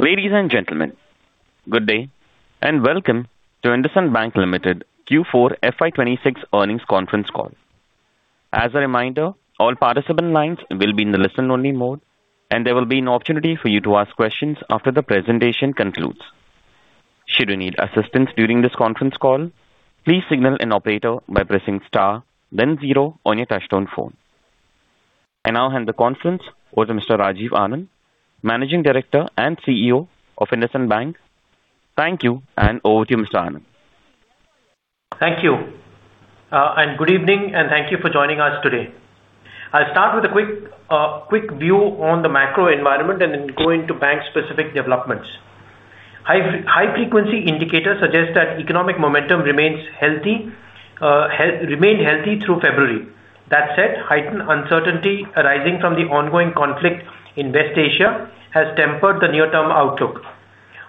Ladies and gentlemen, good day, and welcome to IndusInd Bank Limited Q4 FY 2026 earnings conference call. As a reminder, all participant lines will be in the listen-only mode, and there will be an opportunity for you to ask questions after the presentation concludes. Should you need assistance during this conference call, please signal an operator by pressing star then zero on your touchtone phone. I now hand the conference over to Mr. Rajiv Anand, Managing Director and CEO of IndusInd Bank. Thank you, and over to you, Mr. Anand. Thank you. Good evening, and thank you for joining us today. I'll start with a quick view on the macro environment and then go into bank-specific developments. High-frequency indicators suggest that economic momentum remained healthy through February. That said, heightened uncertainty arising from the ongoing conflict in West Asia has tempered the near-term outlook.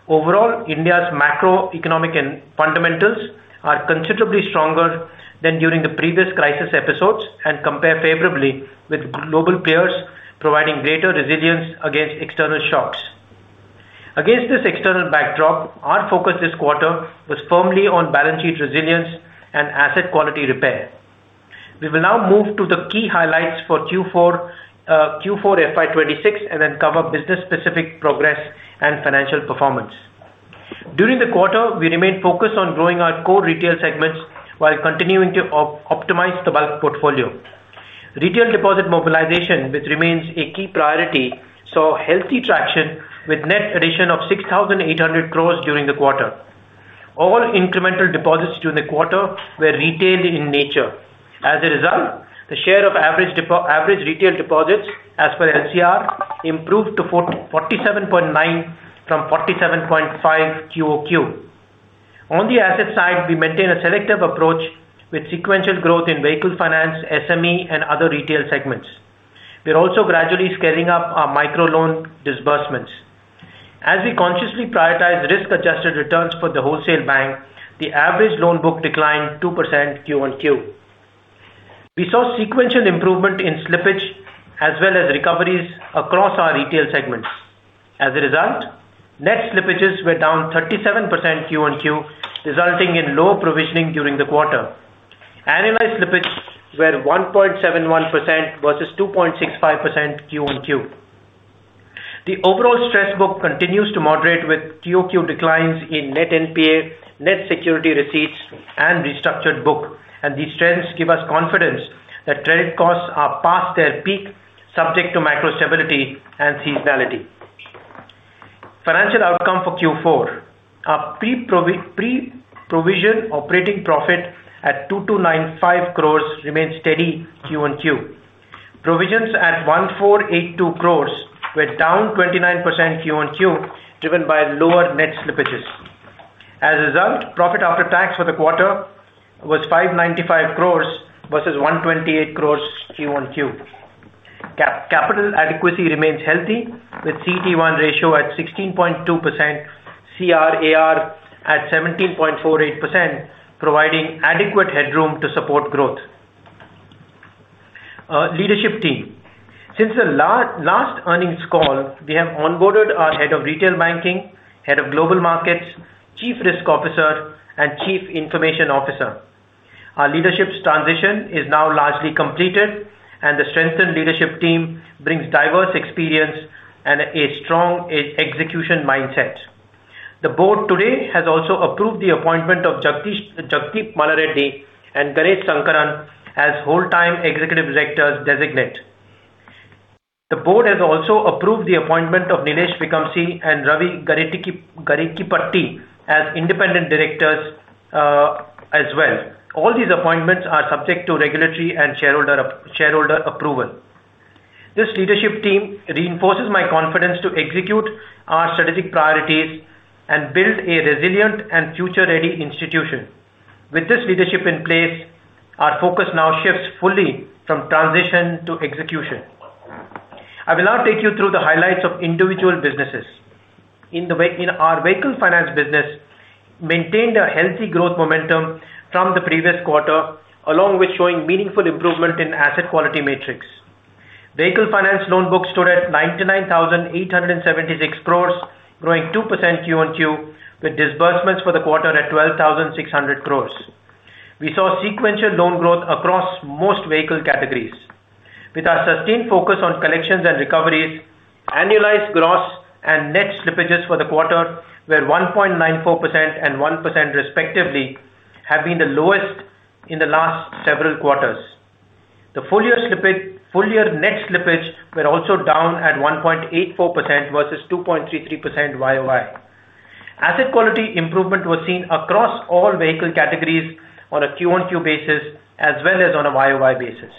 Overall, India's macroeconomic fundamentals are considerably stronger than during the previous crisis episodes and compare favorably with global peers, providing greater resilience against external shocks. Against this external backdrop, our focus this quarter was firmly on balance sheet resilience and asset quality repair. We will now move to the key highlights for Q4 FY 2026 and then cover business-specific progress and financial performance. During the quarter, we remained focused on growing our core retail segments while continuing to optimize the bulk portfolio. Retail deposit mobilization, which remains a key priority, saw healthy traction with net addition of 6,800 crore during the quarter. All incremental deposits during the quarter were retail in nature. As a result, the share of average retail deposits, as per NCR, improved to 47.9% from 47.5% QoQ. On the asset side, we maintain a selective approach with sequential growth in vehicle finance, SME, and other retail segments. We are also gradually scaling up our microloan disbursements. As we consciously prioritize risk-adjusted returns for the wholesale bank, the average loan book declined 2% QoQ. We saw sequential improvement in slippage as well as recoveries across our retail segments. As a result, net slippages were down 37% QoQ, resulting in lower provisioning during the quarter. Annualized slippages were 1.71% versus 2.65% QoQ. The overall stress book continues to moderate with QoQ declines in net NPA, net security receipts, and restructured book. These trends give us confidence that credit costs are past their peak, subject to macro stability and seasonality. Financial outcome for Q4. Our pre-provision operating profit at 2,295 crores remains steady QoQ. Provisions at 1,482 crores were down 29% QoQ, driven by lower net slippages. As a result, profit after tax for the quarter was 595 crore versus 128 crore QoQ. Capital adequacy remains healthy with CET1 ratio at 16.2%, CRAR at 17.48%, providing adequate headroom to support growth. Leadership team. Since the last earnings call, we have onboarded our head of retail banking, head of global markets, Chief Risk Officer, and Chief Information Officer. Our leadership's transition is now largely completed, and the strengthened leadership team brings diverse experience and a strong execution mindset. The board today has also approved the appointment of Jagdeep Mallareddy and Ganesh Sankaran as full-time Executive Directors-Designate. The board has also approved the appointment of Nilesh Vikamsey and Ravindra Garikipati as Independent Directors as well. All these appointments are subject to regulatory and shareholder approval. This leadership team reinforces my confidence to execute our strategic priorities and build a resilient and future-ready institution. With this leadership in place, our focus now shifts fully from transition to execution. I will now take you through the highlights of individual businesses. Our vehicle finance business maintained a healthy growth momentum from the previous quarter, along with showing meaningful improvement in asset quality metrics. Vehicle finance loan book stood at 99,876 crore, growing 2% QoQ, with disbursements for the quarter at 12,600 crore. We saw sequential loan growth across most vehicle categories. With our sustained focus on collections and recoveries, annualized gross and net slippages for the quarter were 1.94% and 1% respectively and have been the lowest in the last several quarters. The full-year net slippage were also down at 1.84% versus 2.33% YoY. Asset quality improvement was seen across all vehicle categories on a QoQ basis as well as on a YoY basis.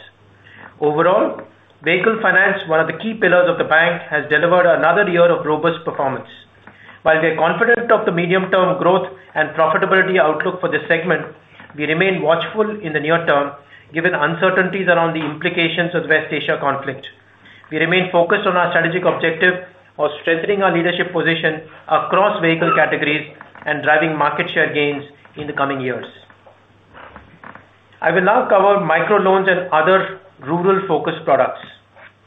Overall, vehicle finance, one of the key pillars of the bank, has delivered another year of robust performance. While we are confident of the medium-term growth and profitability outlook for this segment, we remain watchful in the near term given the uncertainties around the implications of the West Asia conflict. We remain focused on our strategic objective of strengthening our leadership position across vehicle categories and driving market share gains in the coming years. I will now cover micro loans and other rural-focused products.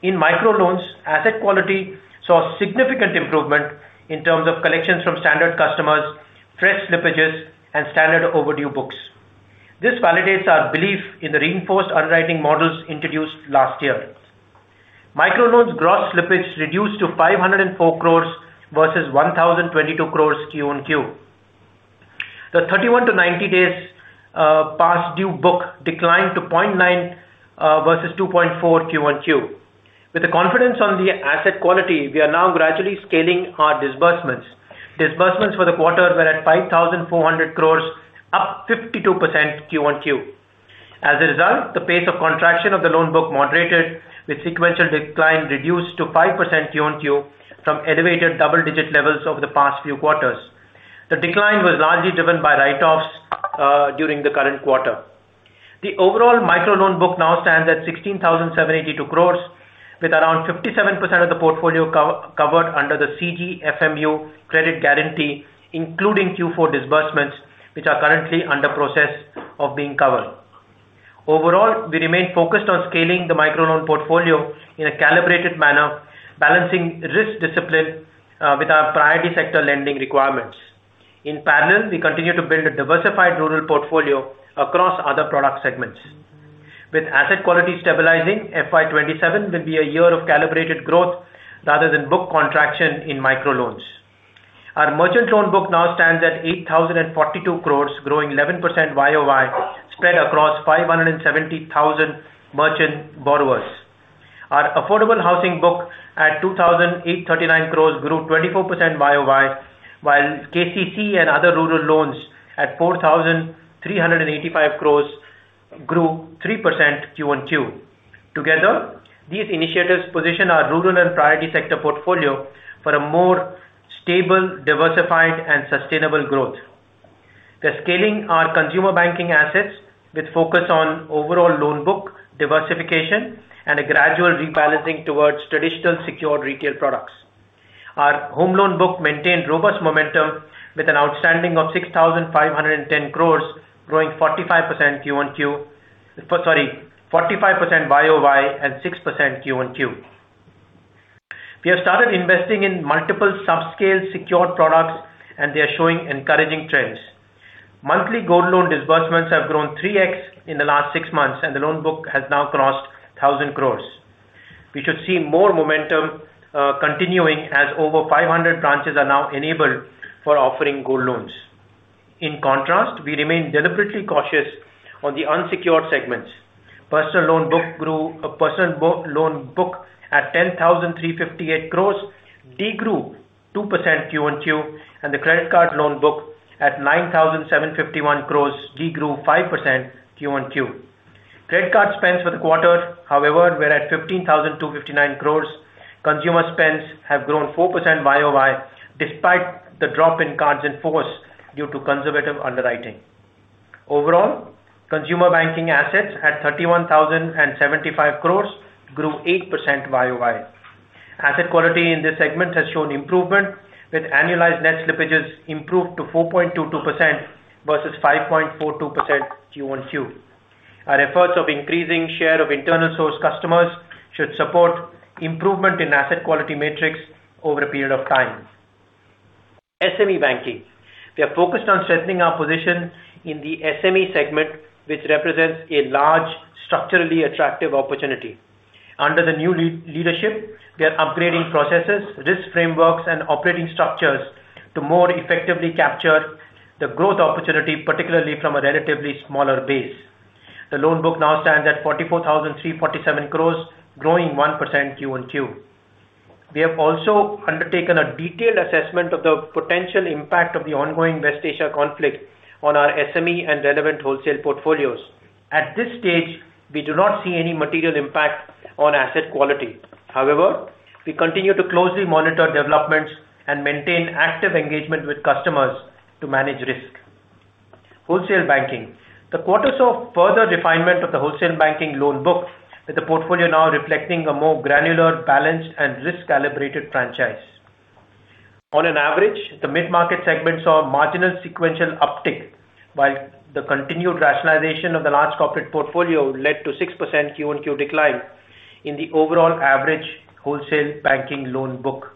In micro loans, asset quality saw significant improvement in terms of collections from standard customers, fresh slippages, and standard overdue books. This validates our belief in the reinforced underwriting models introduced last year. Micro loans gross slippage reduced to 504 crores versus 1,022 crores QoQ. The 31-90 days past due book declined to 0.9% versus 2.4% QoQ. With the confidence on the asset quality, we are now gradually scaling our disbursements. Disbursements for the quarter were at 5,400 crore, up 52% QoQ. As a result, the pace of contraction of the loan book moderated, with sequential decline reduced to 5% QoQ from elevated double-digit levels over the past few quarters. The decline was largely driven by write-offs during the current quarter. The overall micro loan book now stands at 16,782 crore, with around 57% of the portfolio covered under the CGFMU credit guarantee, including Q4 disbursements, which are currently under process of being covered. Overall, we remain focused on scaling the micro loan portfolio in a calibrated manner, balancing risk discipline with our priority sector lending requirements. In parallel, we continue to build a diversified rural portfolio across other product segments. With asset quality stabilizing, FY 2027 will be a year of calibrated growth rather than book contraction in micro loans. Our merchant loan book now stands at 8,042 crore, growing 11% YoY, spread across 570,000 merchant borrowers. Our affordable housing book at 2,839 crore grew 24% YoY, while KCC and other rural loans at 4,385 crore grew 3% QoQ. Together, these initiatives position our rural and priority sector portfolio for a more stable, diversified and sustainable growth. We're scaling our consumer banking assets with focus on overall loan book diversification and a gradual rebalancing towards traditional secured retail products. Our home loan book maintained robust momentum with an outstanding of 6,510 crore, growing 45% YoY and 6% QoQ. We have started investing in multiple subscale secured products and they are showing encouraging trends. Monthly gold loan disbursements have grown 3x in the last six months, and the loan book has now crossed 1,000 crore. We should see more momentum continuing as over 500 branches are now enabled for offering gold loans. In contrast, we remain deliberately cautious on the unsecured segments. Personal loan book at 10,358 crore, de-grew 2% QoQ, and the credit card loan book at 9,751 crore, de-grew 5% QoQ. Credit card spends for the quarter, however, were at 15,259 crore. Consumer spends have grown 4% YoY, despite the drop in cards in force due to conservative underwriting. Overall, consumer banking assets at 31,075 crores grew 8% YoY. Asset quality in this segment has shown improvement, with annualized net slippages improved to 4.22% versus 5.42% QoQ. Our efforts of increasing share of internal source customers should support improvement in asset quality metrics over a period of time. SME banking. We are focused on strengthening our position in the SME segment, which represents a large, structurally attractive opportunity. Under the new leadership, we are upgrading processes, risk frameworks, and operating structures to more effectively capture the growth opportunity, particularly from a relatively smaller base. The loan book now stands at 44,347 crore, growing 1% QoQ. We have also undertaken a detailed assessment of the potential impact of the ongoing West Asia conflict on our SME and relevant wholesale portfolios. At this stage, we do not see any material impact on asset quality. However, we continue to closely monitor developments and maintain active engagement with customers to manage risk. Wholesale banking. The quarter saw further refinement of the wholesale banking loan book, with the portfolio now reflecting a more granular, balanced and risk-calibrated franchise. On an average, the mid-market segment saw a marginal sequential uptick, while the continued rationalization of the large corporate portfolio led to 6% QoQ decline in the overall average wholesale banking loan book.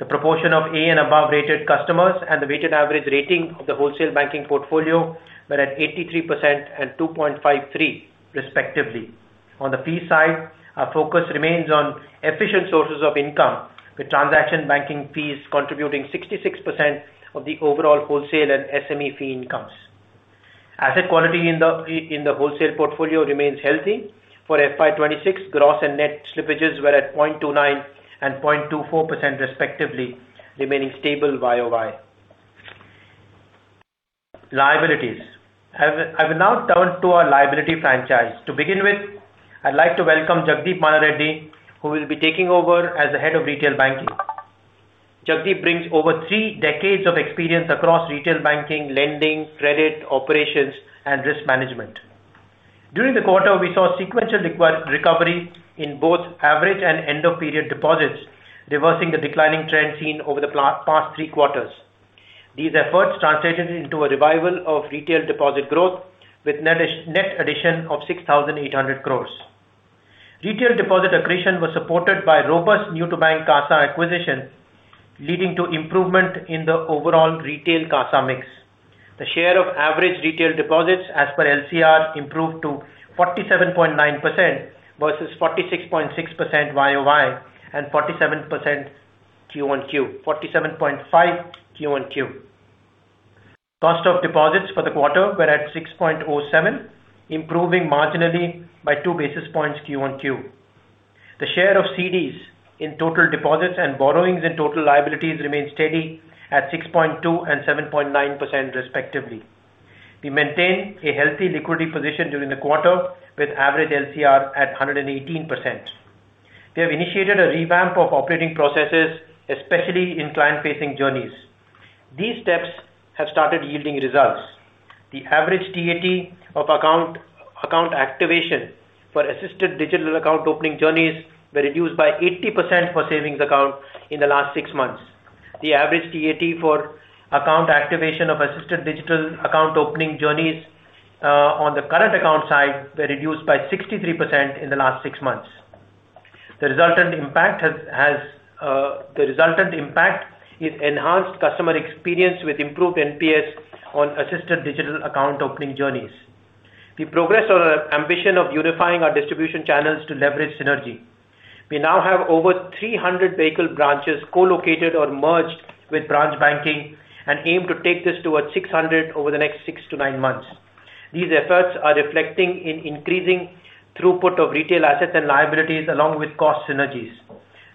The proportion of A and above-rated customers and the weighted average rating of the wholesale banking portfolio were at 83% and 2.53%, respectively. On the fee side, our focus remains on efficient sources of income, with transaction banking fees contributing 66% of the overall wholesale and SME fee incomes. Asset quality in the wholesale portfolio remains healthy. For FY 2026, gross and net slippages were at 0.29% and 0.24%, respectively, remaining stable YoY. Liabilities. I will now turn to our liability franchise. To begin with, I'd like to welcome Jagdeep Mallareddy, who will be taking over as the head of retail banking. Jagdeep brings over three decades of experience across retail banking, lending, credit, operations, and risk management. During the quarter, we saw sequential recovery in both average and end-of-period deposits, reversing the declining trend seen over the past three quarters. These efforts translated into a revival of retail deposit growth with net addition of 6,800 crore. Retail deposit accretion was supported by robust new to bank CASA acquisition, leading to improvement in the overall retail CASA mix. The share of average retail deposits as per LCR improved to 47.9% versus 46.6% YoY and 47.5% QoQ. Cost of deposits for the quarter were at 6.07%, improving marginally by 2 basis points QoQ. The share of CDs in total deposits and borrowings in total liabilities remained steady at 6.2% and 7.9%, respectively. We maintained a healthy liquidity position during the quarter, with average LCR at 118%. We have initiated a revamp of operating processes, especially in client-facing journeys. These steps have started yielding results. The average TAT of account activation for assisted digital account opening journeys were reduced by 80% for savings accounts in the last six months. The average TAT for account activation of assisted digital account opening journeys, on the current account side, were reduced by 63% in the last six months. The resultant impact is enhanced customer experience with improved NPS on assisted digital account opening journeys. We progress on our ambition of unifying our distribution channels to leverage synergy. We now have over 300 vehicle branches co-located or merged with branch banking and aim to take this towards 600 over the next six to nine months. These efforts are reflecting in increasing throughput of retail assets and liabilities, along with cost synergies.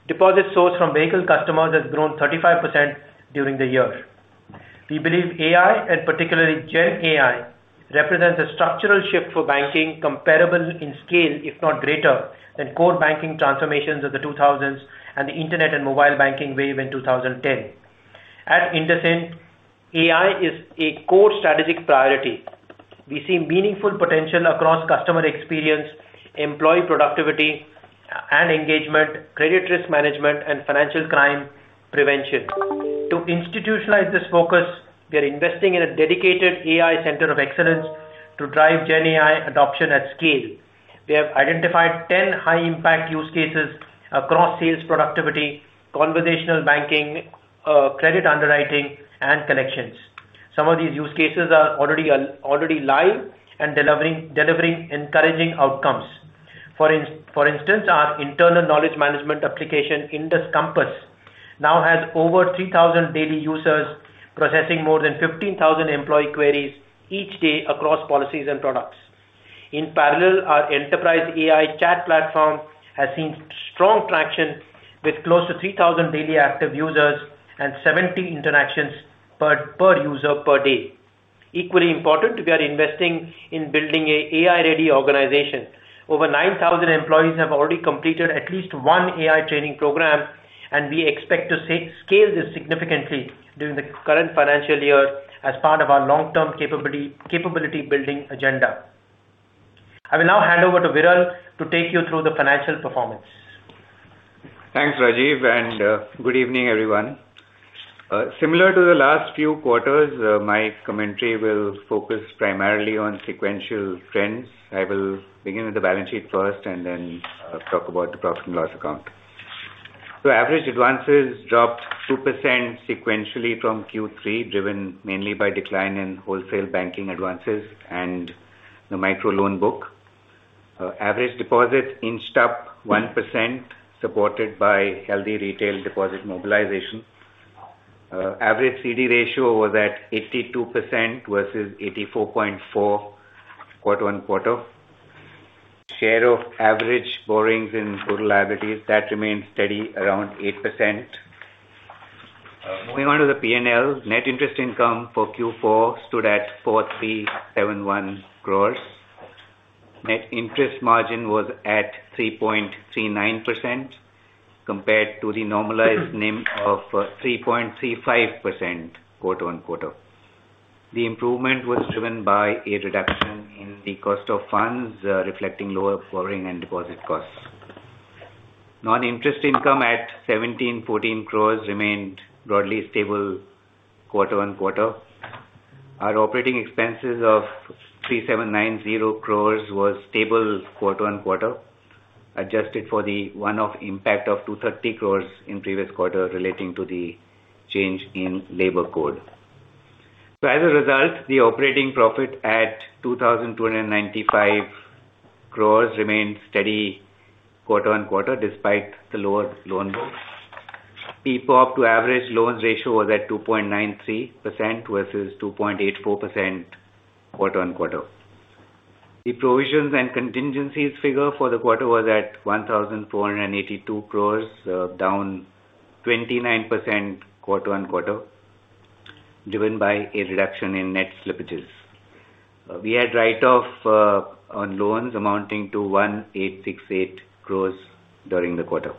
Deposit source from vehicle customers has grown 35% during the year. We believe AI, and particularly GenAI, represents a structural shift for banking comparable in scale, if not greater, than core banking transformations of the 2000s and the internet and mobile banking wave in 2010. At IndusInd, AI is a core strategic priority. We see meaningful potential across customer experience, employee productivity and engagement, credit risk management, and financial crime prevention. To institutionalize this focus, we are investing in a dedicated AI center of excellence to drive GenAI adoption at scale. We have identified 10 high-impact use cases across sales, productivity, conversational banking, credit underwriting, and collections. Some of these use cases are already live and delivering encouraging outcomes. For instance, our internal knowledge management application, Indus Compass, now has over 3,000 daily users, processing more than 15,000 employee queries each day across policies and products. In parallel, our enterprise AI chat platform has seen strong traction with close to 3,000 daily active users and 70 interactions per user per day. Equally important, we are investing in building an AI-ready organization. Over 9,000 employees have already completed at least one AI training program, and we expect to scale this significantly during the current financial year as part of our long-term capability building agenda. I will now hand over to Viral to take you through the financial performance. Thanks, Rajiv, and good evening, everyone. Similar to the last few quarters, my commentary will focus primarily on sequential trends. I will begin with the balance sheet first and then talk about the profit and loss account. Average advances dropped 2% sequentially from Q3, driven mainly by decline in wholesale banking advances and the micro loan book. Average deposits inched up 1%, supported by healthy retail deposit mobilization. Average CD ratio was at 82% versus 84.4% quarter-on-quarter. Share of average borrowings in total liabilities, that remained steady around 8%. Moving on to the P&L. Net interest income for Q4 stood at 4,371 crore. Net interest margin was at 3.39% compared to the normalized NIM of 3.35% quarter-on-quarter. The improvement was driven by a reduction in the cost of funds, reflecting lower borrowing and deposit costs. Non-interest income at 1,714 crore remained broadly stable quarter-on-quarter. Our operating expenses of 3,790 crore was stable quarter-on-quarter, adjusted for the one-off impact of 230 crore in previous quarter relating to the change in labor code. As a result, the operating profit at 2,295 crore remained steady quarter-on-quarter, despite the lower loan books. PPOP to average loans ratio was at 2.93% versus 2.84% quarter-on-quarter. The provisions and contingencies figure for the quarter was at 1,482 crore, down 29% quarter-on-quarter, driven by a reduction in net slippages. We had write-off on loans amounting to 1,868 crore during the quarter.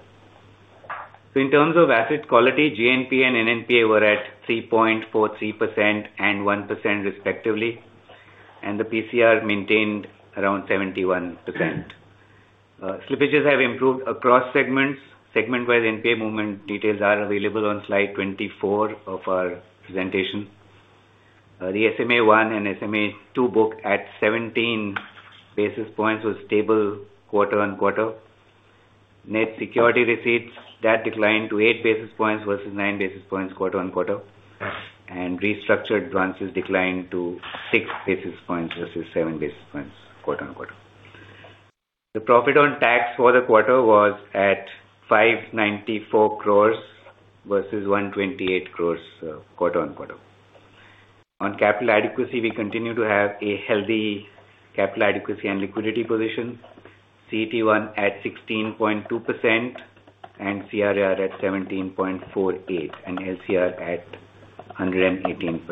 In terms of asset quality, GNPA and NNPA were at 3.43% and 1%, respectively, and the PCR maintained around 71%. Slippages have improved across segments. Segment-wide NPA movement details are available on slide 24 of our presentation. The SMA-1 and SMA-2 book at 17 basis points was stable quarter-on-quarter. Net security receipts that declined to eight basis points versus nine basis points quarter-on-quarter. Restructured advances declined to 6 basis points versus seven basis points quarter-on-quarter. The profit after tax for the quarter was at 594 crore versus 128 crore, quarter-on-quarter. On capital adequacy, we continue to have a healthy capital adequacy and liquidity position. CET1 at 16.2% and CRAR at 17.48% and LCR at 118%.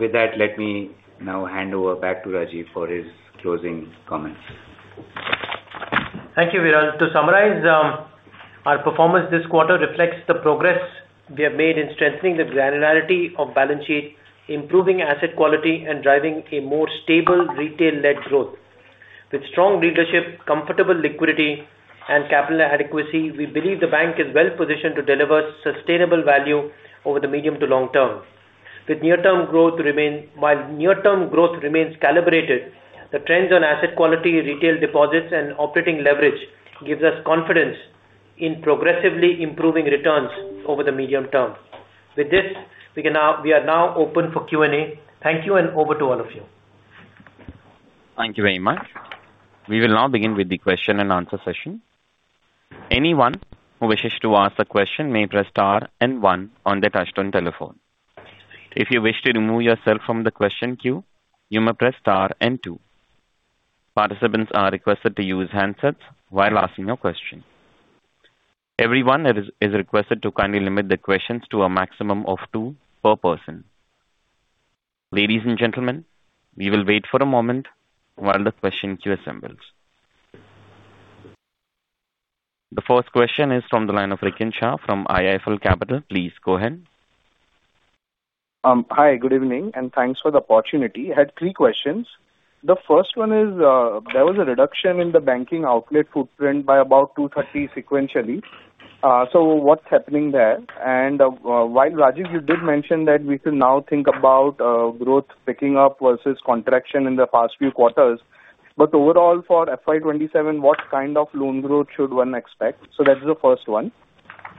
With that, let me now hand over back to Rajiv for his closing comments. Thank you, Viral. To summarize, our performance this quarter reflects the progress we have made in strengthening the granularity of balance sheet, improving asset quality, and driving a more stable retail-led growth. With strong leadership, comfortable liquidity, and capital adequacy, we believe the bank is well-positioned to deliver sustainable value over the medium to long term. While near-term growth remains calibrated, the trends on asset quality, retail deposits, and operating leverage gives us confidence in progressively improving returns over the medium term. With this, we are now open for Q&A. Thank you and over to all of you. Thank you very much. We will now begin with the question-and-answer session. Anyone who wishes to ask a question may press star and one on their touch-tone telephone. If you wish to remove yourself from the question queue, you may press star and two. Participants are requested to use handsets while asking a question. Everyone is requested to kindly limit their questions to a maximum of two per person. Ladies and gentlemen, we will wait for a moment while the question queue assembles. The first question is from the line of Rikin Shah from IIFL Capital. Please go ahead. Hi, good evening, and thanks for the opportunity. I had three questions. The first one is, there was a reduction in the banking outlet footprint by about 230 sequentially. What's happening there? While, Rajiv, you did mention that we should now think about growth picking up versus contraction in the past few quarters, but overall for FY 2027, what kind of loan growth should one expect? That is the first one.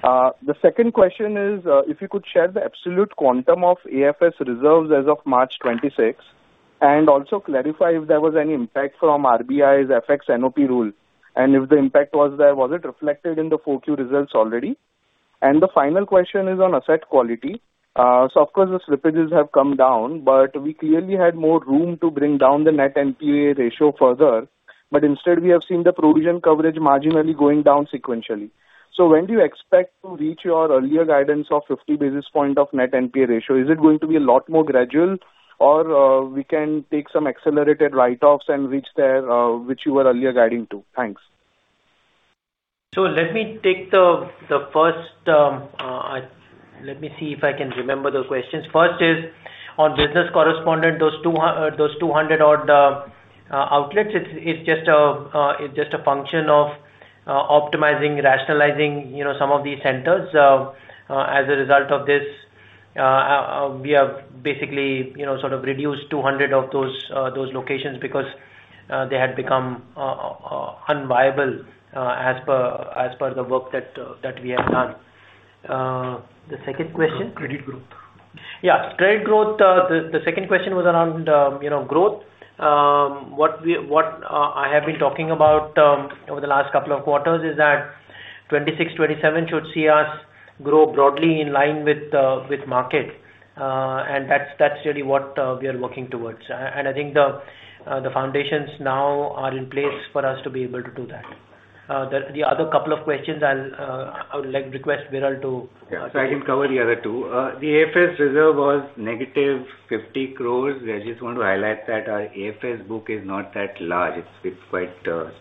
The second question is, if you could share the absolute quantum of AFS reserves as of March 2026, and also clarify if there was any impact from RBI's FX NOP rule, and if the impact was there, was it reflected in the Q4 results already? The final question is on asset quality. Of course, the slippages have come down, but we clearly had more room to bring down the net NPA ratio further. Instead, we have seen the provision coverage marginally going down sequentially. When do you expect to reach your earlier guidance of 50 basis points of net NPA ratio? Is it going to be a lot more gradual or we can take some accelerated write-offs and reach there, which you were earlier guiding to? Thanks. Let me see if I can remember the questions. First is on business correspondent, those 200-odd outlets, it's just a function of optimizing, rationalizing some of these centers. As a result of this, we have basically reduced 200 of those locations because they had become unviable as per the work that we have done. The second question? Credit growth. Yeah. Credit growth. The second question was around growth. What I have been talking about over the last couple of quarters is that 2026, 2027 should see us grow broadly in line with market. That's really what we are working towards. I think the foundations now are in place for us to be able to do that. The other couple of questions, I would like to request Viral to. Yeah. I can cover the other two. The AFS reserve was negative 50 crore. I just want to highlight that our AFS book is not that large. It's quite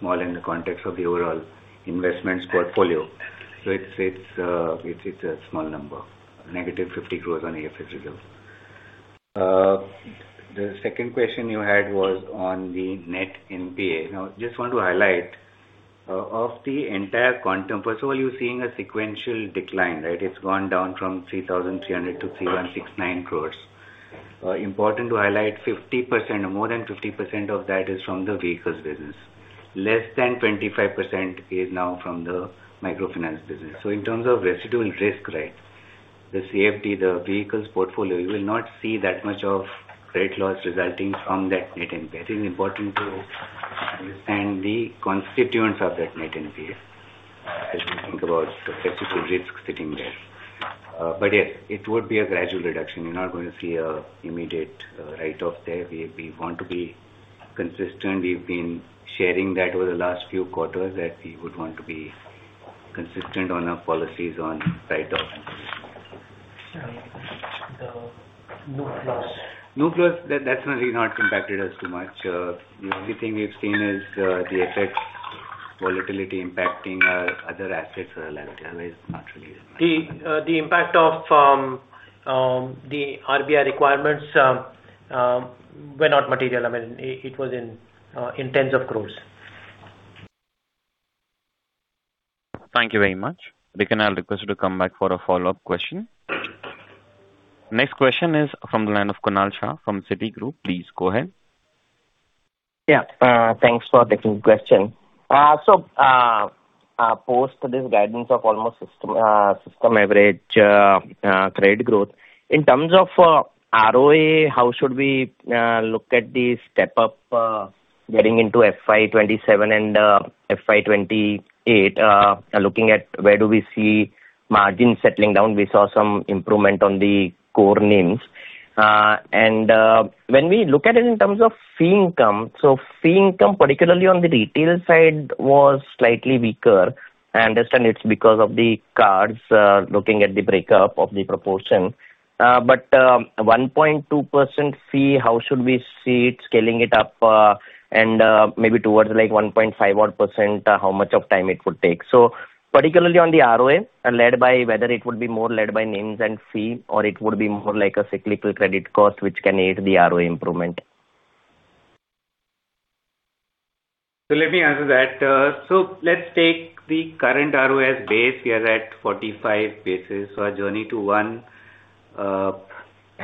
small in the context of the overall investments portfolio. It's a small number, -50 crore on AFS reserve. The second question you had was on the net NPA. Now, just want to highlight, of the entire quantum, first of all, you're seeing a sequential decline. It's gone down from 3,300 crore to 3,169 crore. Important to highlight, more than 50% of that is from the vehicles business. Less than 25% is now from the microfinance business. In terms of residual risk, the VFD, the vehicles portfolio, you will not see that much of credit loss resulting from that net NPA. I think it's important to understand the constituents of that net NPA, as we think about the residual risk sitting there. Yes, it would be a gradual reduction. You're not going to see an immediate write-off there. We want to be consistent. We've been sharing that over the last few quarters that we would want to be consistent on our policies on write-offs. The Neu Plus. Neu Plus, that's really not impacted us too much. The only thing we've seen is the effect. Volatility impacting our other assets actually. The impact of the RBI requirements were not material. It was in tens of crores. Thank you very much. We can request you to come back for a follow-up question. Next question is from the line of Kunal Shah from Citigroup. Please go ahead. Yeah. Thanks for taking the question. Post this guidance of almost system average credit growth. In terms of ROA, how should we look at the step up getting into FY 2027 and FY 2028? Looking at where do we see margins settling down, we saw some improvement on the core NIMs. When we look at it in terms of fee income, so fee income, particularly on the retail side, was slightly weaker. I understand it's because of the cards, looking at the breakup of the proportion. 1.2% fee, how should we see it scaling it up and maybe towards 1.5%, 1%, how much time it would take? Particularly on the ROA, whether it would be more led by NIMs and fee or it would be more like a cyclical credit cost, which can aid the ROA improvement. Let me answer that. Let's take the current ROAs base, we are at 45 basis. Our journey to one,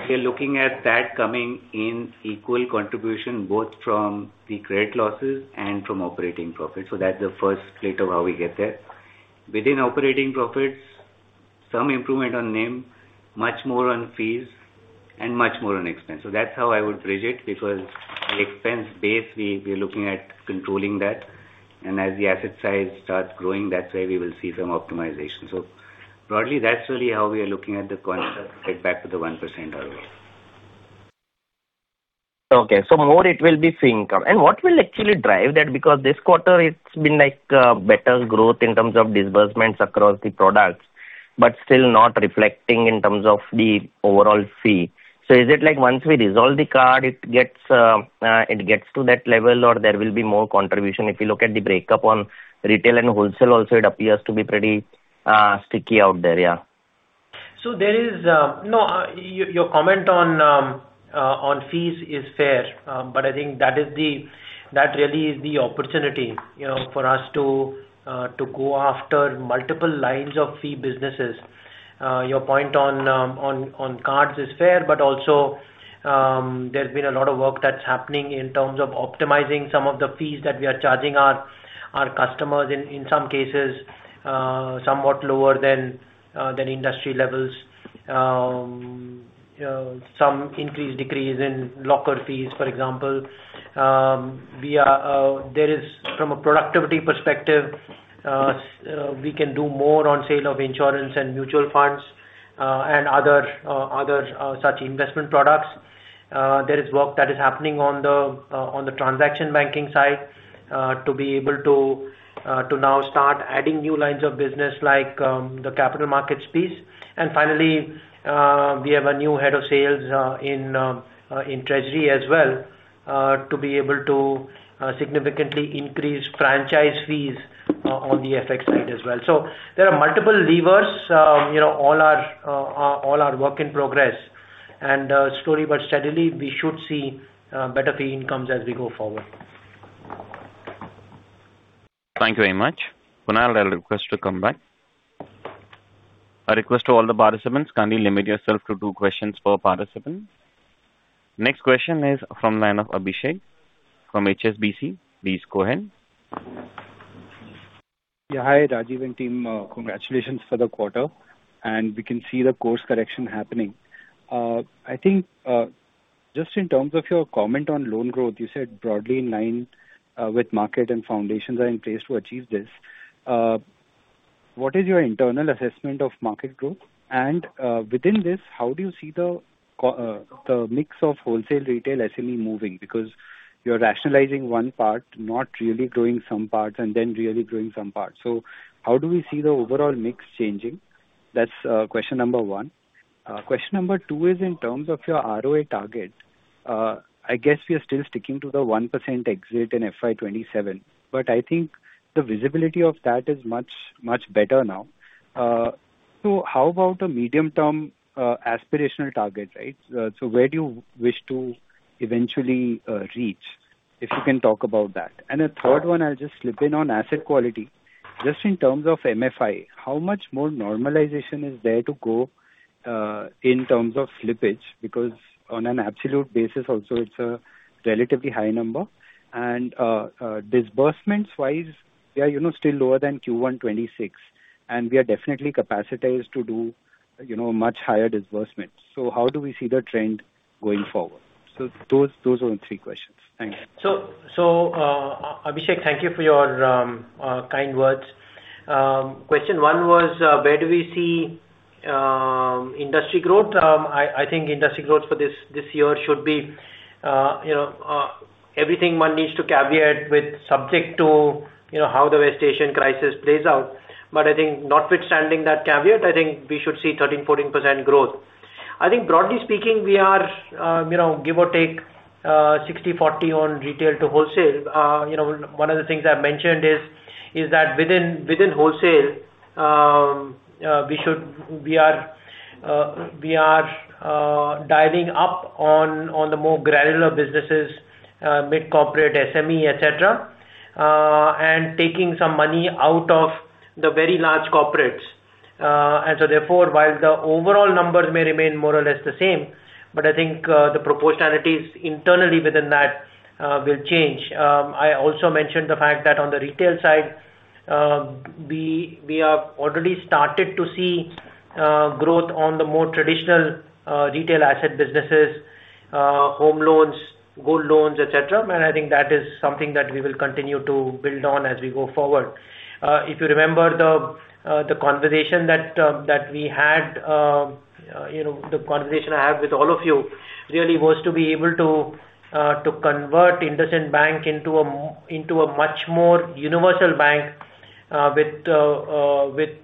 we are looking at that coming in equal contribution both from the credit losses and from operating profit. That's the first split of how we get there. Within operating profits, some improvement on NIM, much more on fees and much more on expense. That's how I would bridge it because the expense base, we are looking at controlling that, and as the asset side starts growing, that's where we will see some optimization. Broadly, that's really how we are looking at the concept to get back to the 1% ROA. Okay, more it will be fee income. What will actually drive that? Because this quarter it's been better growth in terms of disbursements across the products, but still not reflecting in terms of the overall fee. Is it like once we resolve the card, it gets to that level or there will be more contribution? If you look at the breakup on retail and wholesale also, it appears to be pretty sticky out there, yeah. Your comment on fees is fair, but I think that really is the opportunity for us to go after multiple lines of fee businesses. Your point on cards is fair, but also, there's been a lot of work that's happening in terms of optimizing some of the fees that we are charging our customers, in some cases, somewhat lower than industry levels, some increase, decrease in locker fees, for example. From a productivity perspective, we can do more on sale of insurance and mutual funds, and other such investment products. There is work that is happening on the transaction banking side, to be able to now start adding new lines of business like the capital markets piece. Finally, we have a new head of sales in treasury as well, to be able to significantly increase franchise fees on the FX side as well. There are multiple levers, all are work in progress. Slowly but steadily, we should see better fee incomes as we go forward. Thank you very much. Kunal, I will request you to come back. I request to all the participants, kindly limit yourself to two questions per participant. Next question is from line of Abhishek from HSBC. Please go ahead. Yeah. Hi, Rajiv and team. Congratulations for the quarter, and we can see the course correction happening. I think, just in terms of your comment on loan growth, you said broadly in line with market and foundations are in place to achieve this. What is your internal assessment of market growth? Within this, how do you see the mix of wholesale, retail, SME moving? Because you're rationalizing one part, not really growing some parts, and then really growing some parts. How do we see the overall mix changing? That's question number one. Question number two is in terms of your ROA target. I guess we are still sticking to the 1% exit in FY 2027, but I think the visibility of that is much, much better now. How about a medium term aspirational target, right? Where do you wish to eventually reach? If you can talk about that. A third one, I'll just slip in on asset quality. Just in terms of MFI, how much more normalization is there to go in terms of slippage? Because on an absolute basis also it's a relatively high number. Disbursements-wise, we are still lower than Q1 2026, and we are definitely capacitated to do much higher disbursements. How do we see the trend going forward? Those are the three questions. Thank you. Abhishek, thank you for your kind words. Question one was, where do we see industry growth? I think industry growth for this year should be everything one needs to caveat with subject to how the West Asian crisis plays out. I think notwithstanding that caveat, I think we should see 13%-14% growth. I think broadly speaking, we are give or take 60/40 on retail to wholesale. One of the things I've mentioned is that within wholesale, we are dialing up on the more granular businesses, mid-corporate, SME, et cetera, and taking some money out of the very large corporates. Therefore, while the overall numbers may remain more or less the same, but I think the proportionality internally within that will change. I also mentioned the fact that on the retail side, we have already started to see growth on the more traditional retail asset businesses, home loans, gold loans, et cetera, and I think that is something that we will continue to build on as we go forward. If you remember the conversation that we had, the conversation I had with all of you, really was to be able to convert IndusInd Bank into a much more universal bank with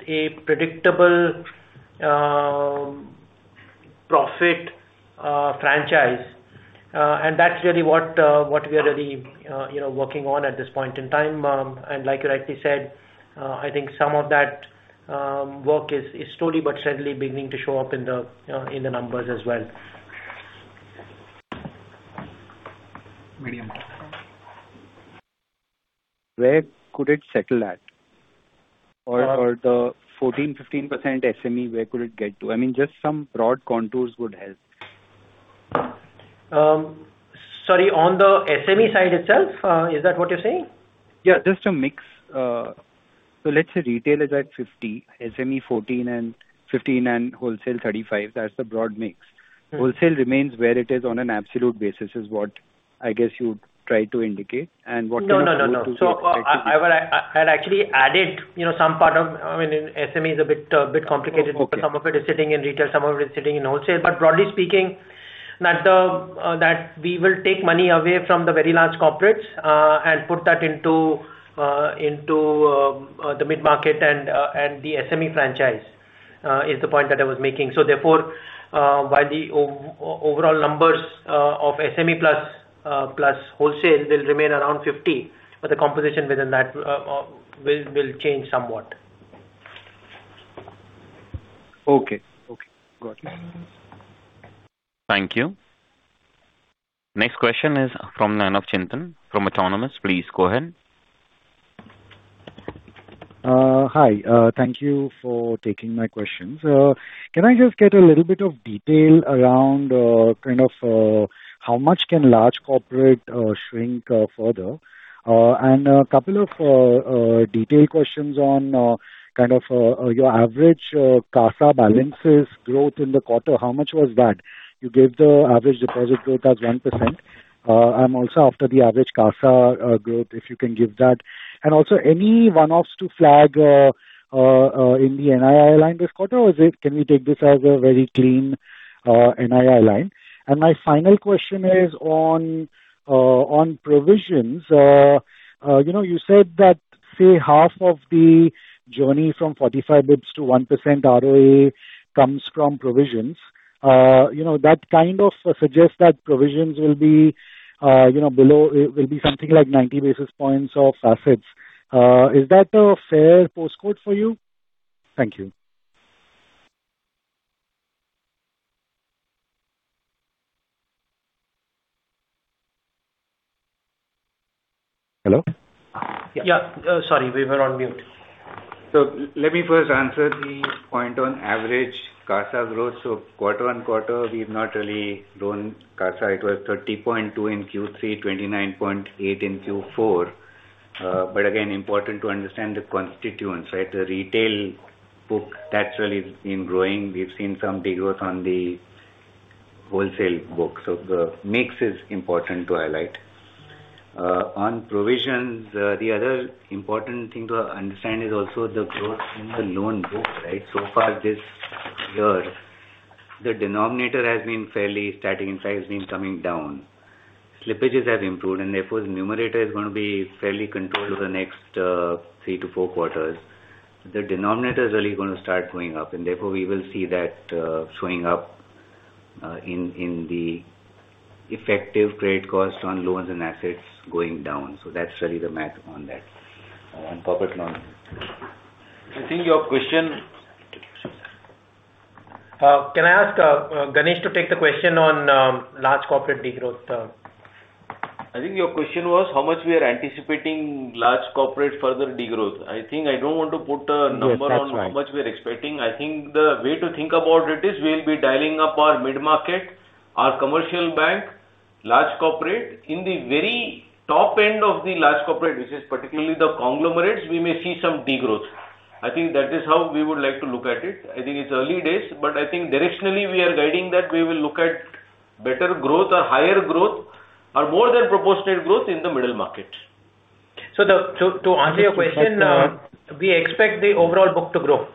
a predictable profit franchise. That's really what we are really working on at this point in time. Like you rightly said, I think some of that work is slowly but steadily beginning to show up in the numbers as well. Medium. Where could it settle at? Or the 14%-15% SME, where could it get to? Just some broad contours would help. Sorry, on the SME side itself? Is that what you're saying? Yeah, just a mix. Let's say retail is at 50%, SME 15%, and wholesale 35%. That's the broad mix. Wholesale remains where it is on an absolute basis is what, I guess, you would try to indicate. What kind of growth do you expect to be? No. I actually added, you know some part of, I mean, SME is a bit complicated. Okay. Because some of it is sitting in retail, some of it is sitting in wholesale. Broadly speaking, that we will take money away from the very large corporates, and put that into the mid-market and the SME franchise, is the point that I was making. Therefore, while the overall numbers of SME plus wholesale will remain around 50, but the composition within that will change somewhat. Okay. Got it. Thank you. Next question is from [Nanop Chintan] from Autonomous. Please go ahead. Hi. Thank you for taking my questions. Can I just get a little bit of detail around how much can large corporate shrink further? A couple of detail questions on your average CASA balances growth in the quarter. How much was that? You gave the average deposit growth as 1%. I'm also after the average CASA growth, if you can give that. Also any one-offs to flag in the NII line this quarter, or can we take this as a very clean NII line? My final question is on provisions. You said that, say, half of the journey from 45 basis points to 1% ROA comes from provisions. That kind of suggests that provisions will be something like 90 basis points of assets. Is that a fair proxy for you? Thank you. Hello? Yeah. Sorry, we were on mute. Let me first answer the point on average CASA growth. Quarter-on-quarter, we've not really grown CASA. It was 30.2% in Q3, 29.8% in Q4. Again, important to understand the constituents, right? The retail book naturally has been growing. We've seen some de-growth on the wholesale book. The mix is important to highlight. On provisions, the other important thing to understand is also the growth in the loan book, right? So far this year, the denominator has been fairly static. In fact, it's been coming down. Slippages have improved, and therefore the numerator is going to be fairly controlled over the next three to four quarters. The denominator is really going to start going up, and therefore, we will see that showing up in the effective credit cost on loans and assets going down. That's really the math on that, on corporate loans. Can I ask Ganesh to take the question on large corporate de-growth? I think your question was how much we are anticipating large corporate further de-growth. I think I don't want to put a number on. Yes, that's right. How much we're expecting. I think the way to think about it is we'll be dialing up our mid-market, our commercial bank, large corporate. In the very top end of the large corporate, which is particularly the conglomerates, we may see some de-growth. I think that is how we would like to look at it. I think it's early days, but I think directionally we are guiding that we will look at better growth or higher growth or more than proportionate growth in the middle market. To answer your question, we expect the overall book to grow.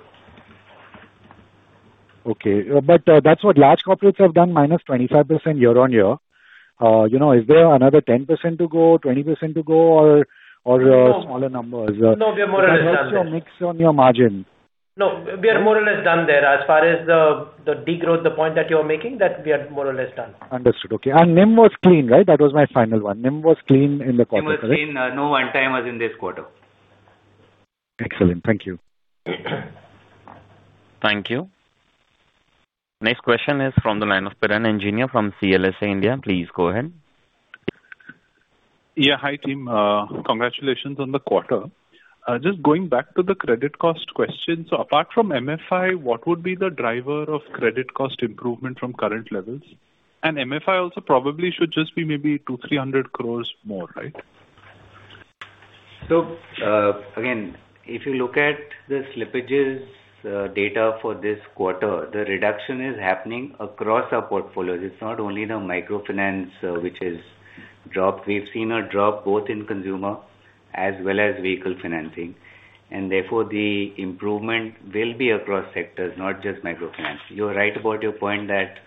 Okay. That's what large corporates have done, minus 25% year-over-year. Is there another 10% to go, 20% to go or. No. Smaller numbers? No, we are more or less done there. That helps your mix on your margin. No, we are more or less done there. As far as the degrowth, the point that you're making, that we are more or less done. Understood. Okay. NIM was clean, right? That was my final one. NIM was clean in the quarter, correct? NIM was clean. No one-time was in this quarter. Excellent. Thank you. Thank you. Next question is from the line of Piran Engineer from CLSA India. Please go ahead. Yeah. Hi, team. Congratulations on the quarter. Just going back to the credit cost question. Apart from MFI, what would be the driver of credit cost improvement from current levels? MFI also probably should just be maybe 200-300 crore more, right? Again, if you look at the slippages data for this quarter, the reduction is happening across our portfolios. It's not only the microfinance which has dropped. We've seen a drop both in consumer as well as vehicle financing, and therefore the improvement will be across sectors, not just microfinance. You are right about your point that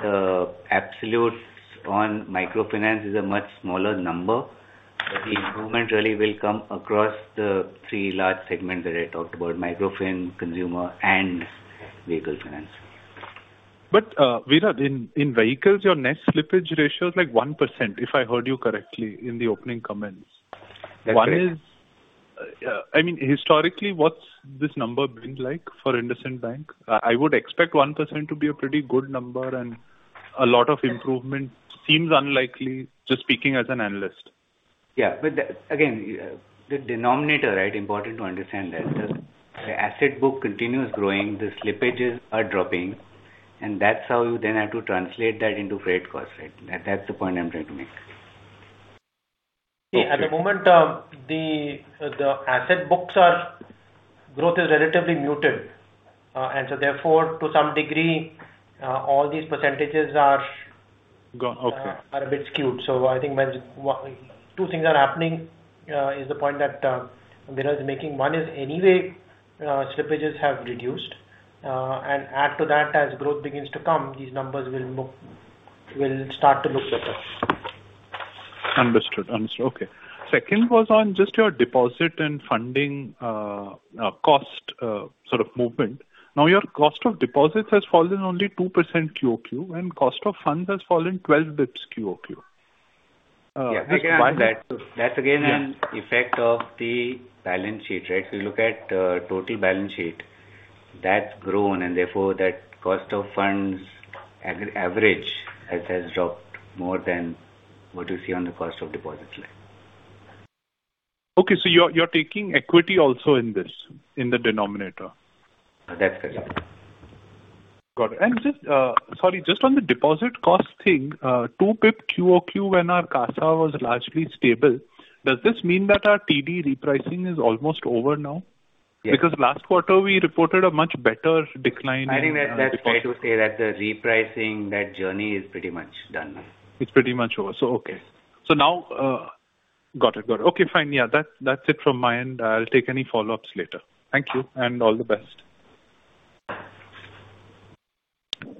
the absolutes on microfinance is a much smaller number, but the improvement really will come across the three large segments that I talked about, microfinance, consumer and vehicle finance. Viral, in vehicles, your net slippage ratio is like 1%, if I heard you correctly in the opening comments. That's right. I mean, historically, what's this number been like for IndusInd Bank? I would expect 1% to be a pretty good number and a lot of improvement seems unlikely, just speaking as an analyst. Yeah. Again, the denominator, right? Important to understand that. The asset book continues growing, the slippages are dropping, and that's how you then have to translate that into credit cost, right? That's the point I'm trying to make. At the moment, the asset book's growth is relatively muted. Therefore, to some degree, all these percentages are. Okay Are a bit skewed. I think two things are happening, is the point that Viral is making. One is anyway, slippages have reduced. Add to that, as growth begins to come, these numbers will start to look better. Understood. Okay. Second was on just your deposit and funding cost sort of movement. Now your cost of deposits has fallen only 2% QoQ, and cost of funds has fallen 12 basis points QoQ. Yeah. That's again an effect of the balance sheet, right? You look at total balance sheet, that's grown and therefore that cost of funds average has dropped more than what you see on the cost of deposits line. Okay. You're taking equity also in this, in the denominator? That's correct. Got it. Just on the deposit cost thing, 2 basis points QoQ when our CASA was largely stable, does this mean that our TD repricing is almost over now? Yes. Last quarter we reported a much better decline in. I think that's fair to say that the repricing, that journey is pretty much done now. It's pretty much over. Okay. Got it. Okay, fine. Yeah. That's it from my end. I'll take any follow-ups later. Thank you, and all the best.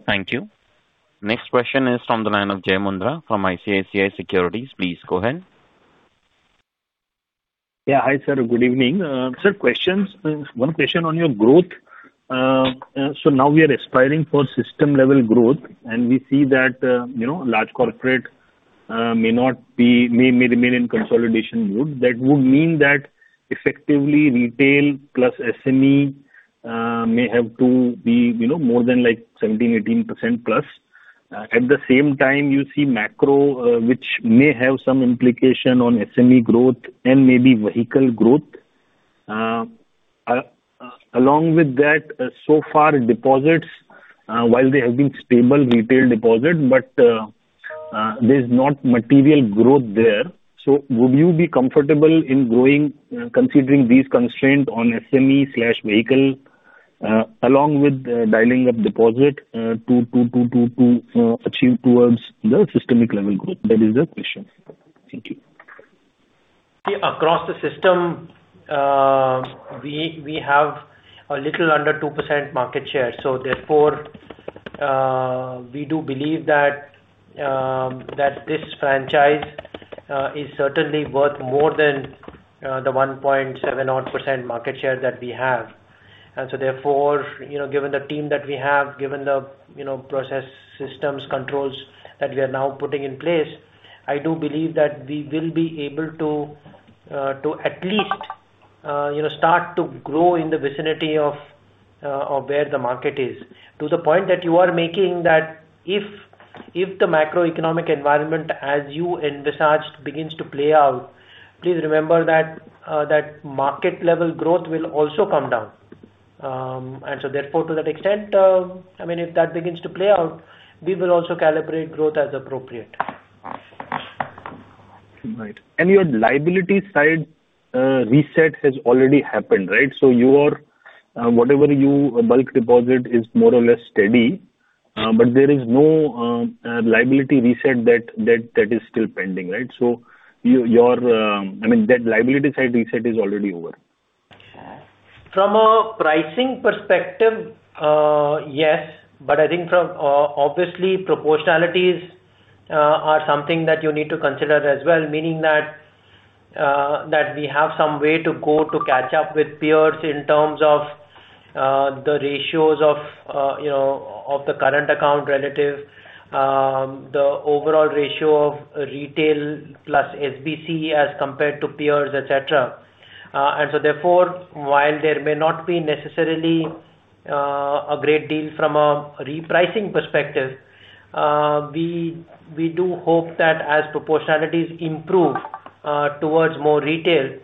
Thank you. Next question is from the line of Jai Mundhra from ICICI Securities. Please go ahead. Yeah. Hi, sir. Good evening. Sir, one question on your growth. Now we are aspiring for system-level growth, and we see that large corporate may remain in consolidation mode. That would mean that effectively retail plus SME may have to be more than like 17%, 18%+. At the same time, you see macro, which may have some implication on SME growth and maybe vehicle growth. Along with that, so far deposits, while they have been stable retail deposit, but there's no material growth there. Would you be comfortable in growing, considering these constraints on SME/vehicle, along with dialing up deposit to achieve towards the systemic level growth? That is the question. Thank you. See, across the system, we have a little under 2% market share. Therefore, we do believe that this franchise is certainly worth more than the 1.7-odd% market share that we have. Therefore, given the team that we have, given the process, systems, controls that we are now putting in place, I do believe that we will be able to at least start to grow in the vicinity of where the market is. To the point that you are making that if the macroeconomic environment as you envisaged begins to play out, please remember that market level growth will also come down. Therefore, to that extent, if that begins to play out, we will also calibrate growth as appropriate. Right. Your liability side reset has already happened, right? Whatever you bulk deposit is more or less steady. There is no liability reset that is still pending, right? I mean, that liability side reset is already over. From a pricing perspective, yes. I think from, obviously proportionalities are something that you need to consider as well, meaning that we have some way to go to catch up with peers in terms of the ratios of the current account relative, the overall ratio of retail plus SBC as compared to peers, et cetera. While there may not be necessarily a great deal from a repricing perspective, we do hope that as proportionalities improve towards more retail,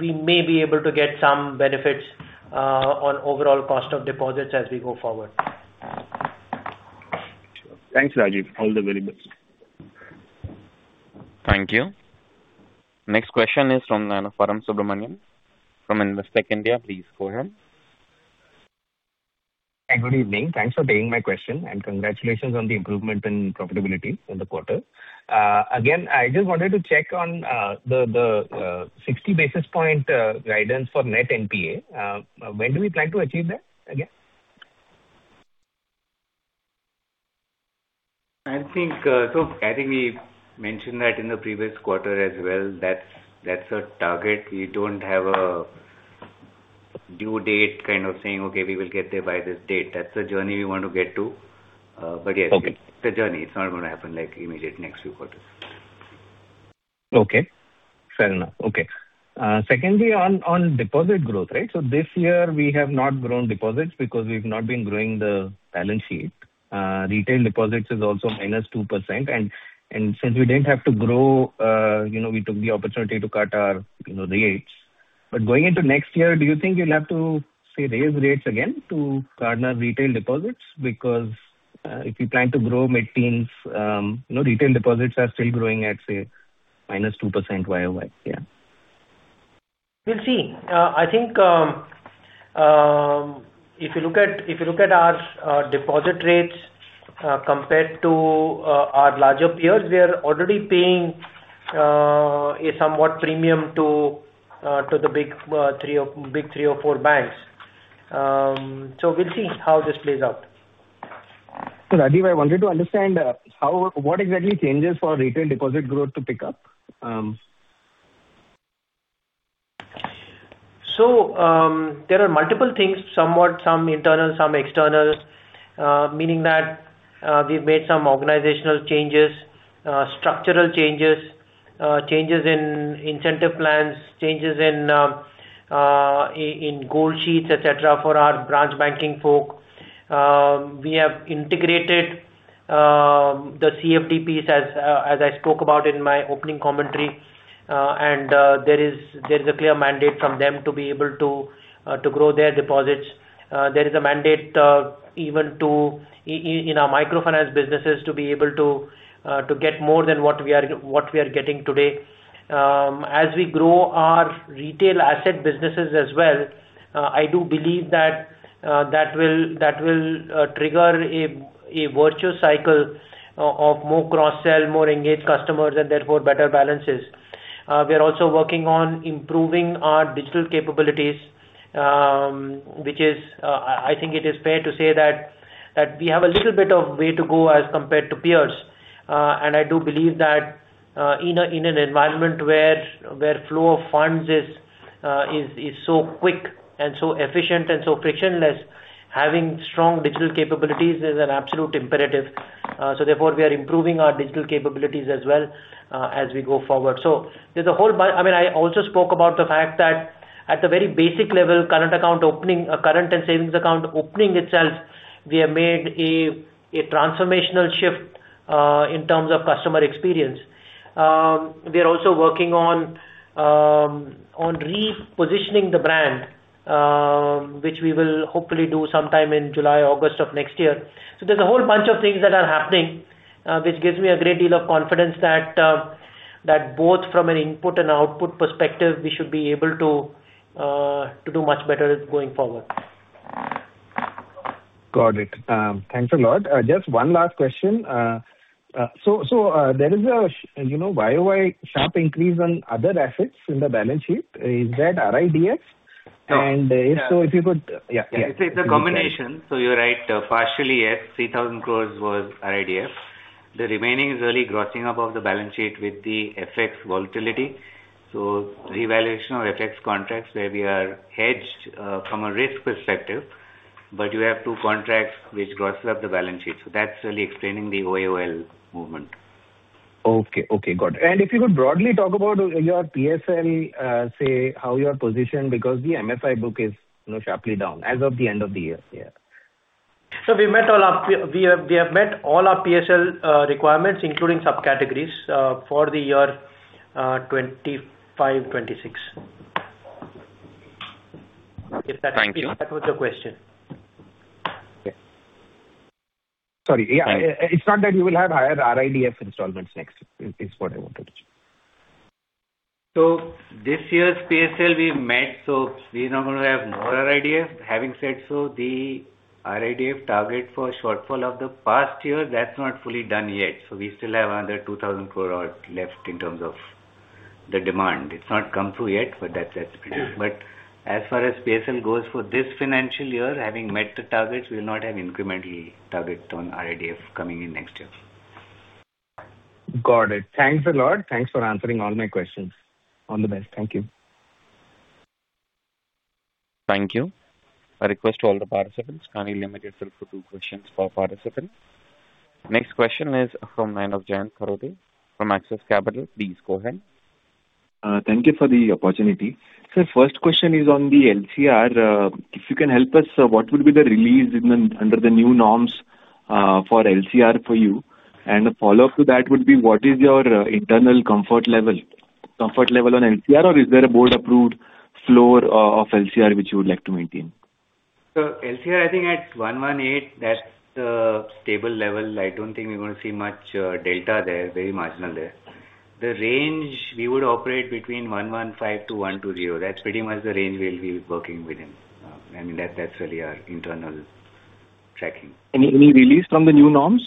we may be able to get some benefits on overall cost of deposits as we go forward. Sure. Thanks, Rajiv. All the very best. Thank you. Next question is from Param Subramanian from Investec India. Please go ahead. Hi. Good evening. Thanks for taking my question, and congratulations on the improvement in profitability in the quarter. Again, I just wanted to check on the 60 basis point guidance for net NPA. When do we plan to achieve that again? I think we mentioned that in the previous quarter as well. That's our target. We don't have a due date kind of thing. Okay, we will get there by this date. That's a journey we want to get to. Yes. Okay. It's a journey. It's not going to happen like immediate next few quarters. Okay. Fair enough. Okay. Secondly, on deposit growth, right? This year we have not grown deposits because we've not been growing the balance sheet. Retail deposits is also -2% and since we didn't have to grow, we took the opportunity to cut our rates. Going into next year, do you think you'll have to, say, raise rates again to garner our retail deposits? If you plan to grow mid-teens, retail deposits are still growing at, say, -2% YoY. Yeah. We'll see. I think, if you look at our deposit rates compared to our larger peers, we are already paying a somewhat premium to the big three or four banks. We'll see how this plays out. Rajiv, I wanted to understand what exactly changes for retail deposit growth to pick up? There are multiple things, somewhat, some internal, some external. Meaning that we've made some organizational changes, structural changes in incentive plans, changes in goal sheets, et cetera, for our branch banking folk. We have integrated the CFD piece as I spoke about in my opening commentary. There's a clear mandate from them to be able to grow their deposits. There is a mandate even in our microfinance businesses to be able to get more than what we are getting today. As we grow our retail asset businesses as well, I do believe that will trigger a virtual cycle of more cross-sell, more engaged customers, and therefore better balances. We are also working on improving our digital capabilities, which is, I think it is fair to say that, we have a little bit of way to go as compared to peers. I do believe that in an environment where flow of funds is so quick and so efficient and so frictionless, having strong digital capabilities is an absolute imperative. Therefore, we are improving our digital capabilities as well, as we go forward. I mean, I also spoke about the fact that at the very basic level, current account opening, current and savings account opening itself, we have made a transformational shift, in terms of customer experience. We are also working on repositioning the brand, which we will hopefully do sometime in July or August of next year. There's a whole bunch of things that are happening, which gives me a great deal of confidence that both from an input and output perspective, we should be able to do much better going forward. Got it. Thanks a lot. Just one last question. There is a YoY sharp increase on other assets in the balance sheet. Is that RIDF? No. If so, if you could. Yeah. It's a combination. You're right, partially, yes, 3,000 crore was RIDF. The remaining is really grossing up of the balance sheet with the FX volatility. Revaluation of FX contracts where we are hedged from a risk perspective. You have two contracts which gross up the balance sheet. That's really explaining the YoY movement. Okay. Got it. If you could broadly talk about your PSL, say how you are positioned because the MFI book is sharply down as of the end of the year. Yeah. We have met all our PSL requirements, including subcategories, for the year 2025-2026. Thank you. If that answers your question. Sorry. Yeah. It's not that you will have higher RIDF installments next, is what I wanted to say. This year's PSL we met, so we're not going to have more RIDF. Having said so, the RIDF target for shortfall of the past year, that's not fully done yet. We still have another 2,000 crore left in terms of the demand. It's not come through yet, but that's it. As far as PSL goes for this financial year, having met the targets, we will not have incremental targets on RIDF coming in next year. Got it. Thanks a lot. Thanks for answering all my questions. All the best. Thank you. Thank you. I request to all the participants, kindly limit yourself to two questions per participant. Next question is from the line of Jayant Kharote from Axis Capital. Please go ahead. Thank you for the opportunity. Sir, first question is on the LCR. If you can help us, sir, what would be the release under the new norms for LCR for you? A follow-up to that would be what is your internal comfort level on LCR, or is there a board-approved floor of LCR which you would like to maintain? Sir, LCR, I think at 118%, that's a stable level. I don't think we're going to see much delta there, very marginal there. The range we would operate 115%-120%. That's pretty much the range we'll be working within. I mean, that's really our internal tracking. Any release from the new norms?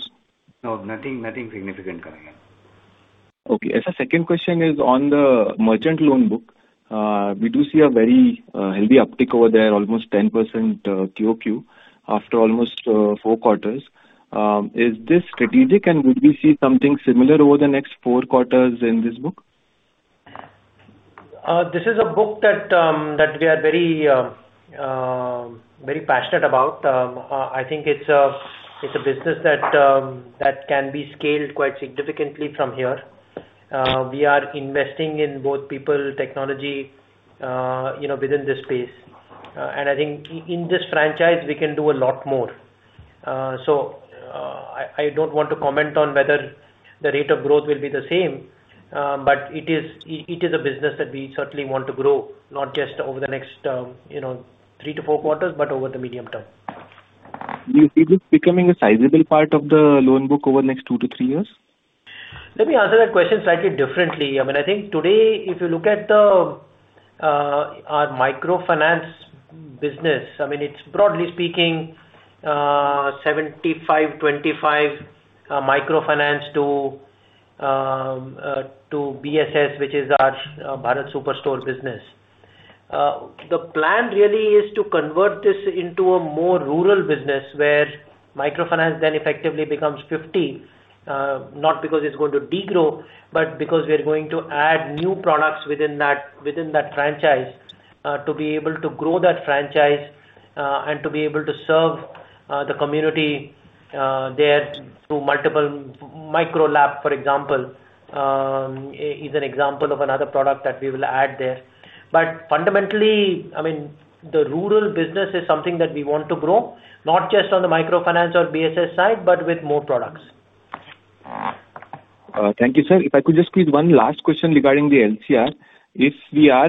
No, nothing significant coming in. Okay. Sir, second question is on the merchant loan book. We do see a very healthy uptick over there, almost 10% QoQ after almost four quarters. Is this strategic, and would we see something similar over the next four quarters in this book? This is a book that we are very passionate about. I think it's a business that can be scaled quite significantly from here. We are investing in both people, technology within this space. I think in this franchise, we can do a lot more. I don't want to comment on whether the rate of growth will be the same, but it is a business that we certainly want to grow, not just over the next three to four quarters, but over the medium term. Is it becoming a sizable part of the loan book over the next two to three years? Let me answer that question slightly differently. I think today, if you look at our microfinance business, it's broadly speaking, 75, 25 microfinance to BSS, which is our Bharat Super Store business. The plan really is to convert this into a more rural business where microfinance then effectively becomes 50. Not because it's going to degrow, but because we are going to add new products within that franchise to be able to grow that franchise, and to be able to serve the community there through multiple Micro LAP, for example, is an example of another product that we will add there. But fundamentally, the rural business is something that we want to grow, not just on the microfinance or BSS side, but with more products. Thank you, sir. If I could just pose one last question regarding the LCR. If we are,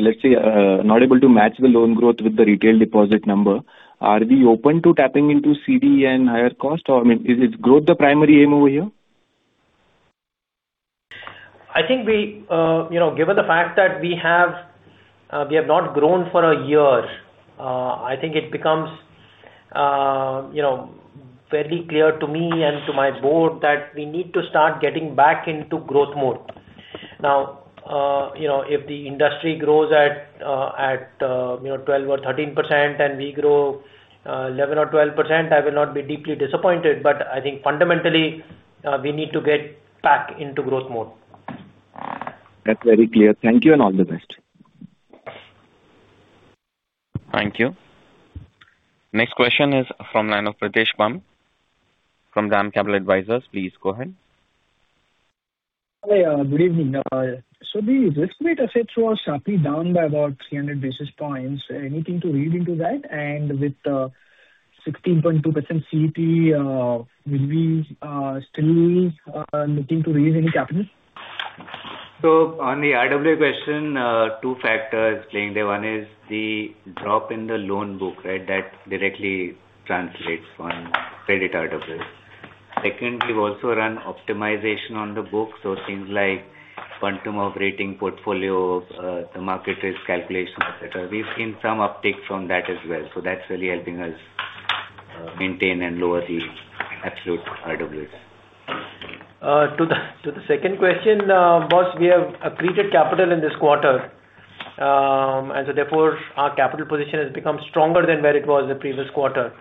let's say, not able to match the loan growth with the retail deposit number, are we open to tapping into CD and higher cost, or is growth the primary aim over here? I think given the fact that we have not grown for a year, I think it becomes very clear to me and to my board that we need to start getting back into growth mode. Now, if the industry grows at 12% or 13% and we grow 11% or 12%, I will not be deeply disappointed, but I think fundamentally, we need to get back into growth mode. That's very clear. Thank you, and all the best. Thank you. Next question is from line of Pritesh Bumb from DAM Capital Advisors. Please go ahead. Hi. Good evening. The risk-weighted assets were sharply down by about 300 basis points. Anything to read into that? With 16.2% CET1, are we still looking to raise any capital? On the RWA question, two factors playing there. One is the drop in the loan book. That directly translates on credit RWAs. Secondly, we've also run optimization on the book, so things like quantum of rating portfolio, the market risk calculation, et cetera. We've seen some uptick from that as well. That's really helping us maintain and lower the absolute RWA. To the second question, boss, we have accreted capital in this quarter. Therefore our capital position has become stronger than where it was the previous quarter.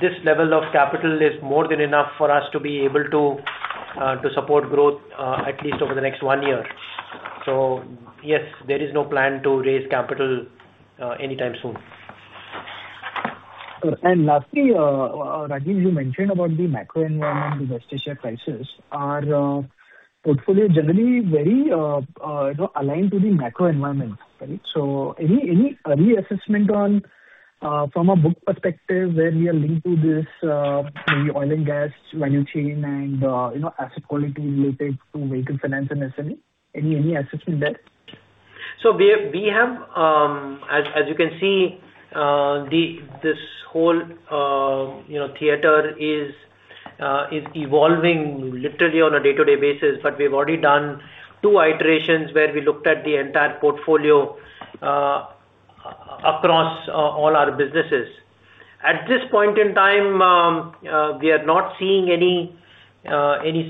This level of capital is more than enough for us to be able to support growth at least over the next one year. Yes, there is no plan to raise capital anytime soon. Lastly, Rajiv, you mentioned about the macro environment, the West Asia crisis. Our portfolio generally very aligned to the macro environment, right? Any early assessment on from a book perspective where we are linked to this maybe oil and gas value chain and asset quality related to vehicle finance and SME? Any assessment there? We have, as you can see, this whole theater is evolving literally on a day-to-day basis, we've already done two iterations where we looked at the entire portfolio across all our businesses. At this point in time, we are not seeing any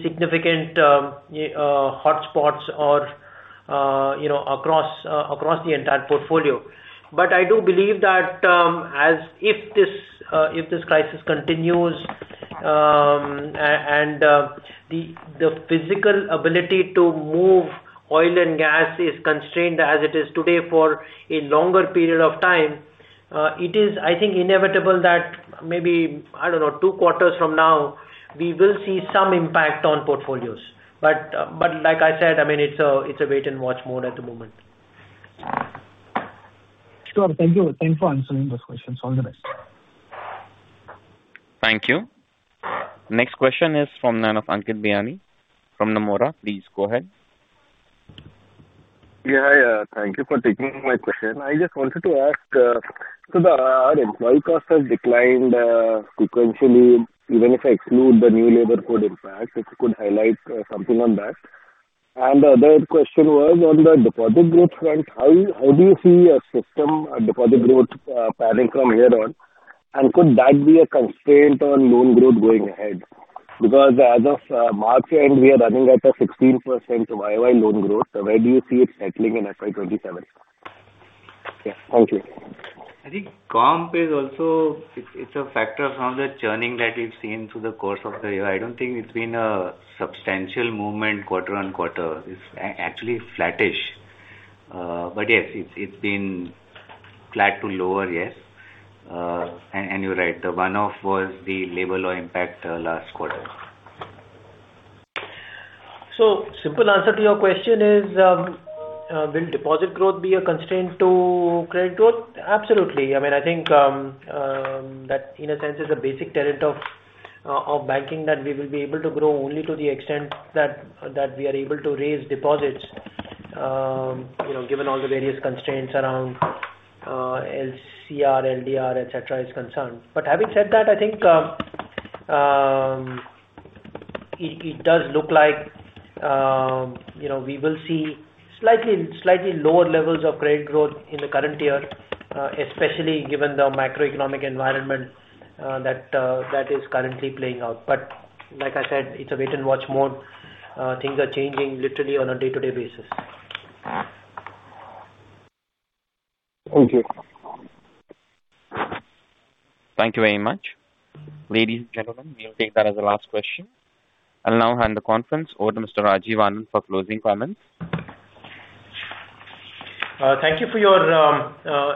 significant hotspots across the entire portfolio. I do believe that if this crisis continues and the physical ability to move oil and gas is constrained as it is today for a longer period of time, it is, I think, inevitable that maybe, I don't know, two quarters from now, we will see some impact on portfolios. Like I said, it's a wait and watch mode at the moment. Sure. Thank you. Thanks for answering those questions. All the best. Thank you. Next question is from the line of Ankit Biyani from Nomura. Please go ahead. Yeah. Thank you for taking my question. I just wanted to ask, so the employee cost has declined sequentially, even if I exclude the new labor code impact, if you could highlight something on that. The other question was on the deposit growth front, how do you see a system deposit growth panning out from here on? Could that be a constraint on loan growth going ahead? Because as of March end, we are running at a 16% YoY loan growth. Where do you see it settling in FY 2027? Yeah. Thank you. I think CASA, it's a factor of some of the churning that we've seen through the course of the year. I don't think it's been a substantial movement quarter-on-quarter. It's actually flattish. Yes, it's been flat to lower, yes. You're right, the one-off was the labor law impact last quarter. Simple answer to your question is, will deposit growth be a constraint to credit growth? Absolutely. I think that in a sense is a basic tenet of banking that we will be able to grow only to the extent that we are able to raise deposits, given all the various constraints around LCR, LDR, et cetera, is concerned. Having said that, I think it does look like we will see slightly lower levels of credit growth in the current year, especially given the macroeconomic environment that is currently playing out. Like I said, it's a wait and watch mode. Things are changing literally on a day-to-day basis. Thank you. Thank you very much. Ladies and gentlemen, we'll take that as the last question. I'll now hand the conference over to Mr. Rajiv Anand for closing comments. Thank you for your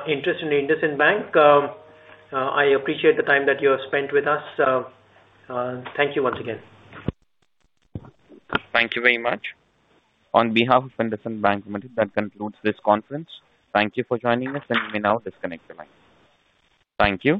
interest in IndusInd Bank. I appreciate the time that you have spent with us. Thank you once again. Thank you very much. On behalf of IndusInd Bank Limited, that concludes this conference. Thank you for joining us, and you may now disconnect your line. Thank you.